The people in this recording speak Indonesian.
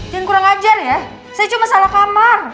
yang kurang ajar ya saya cuma salah kamar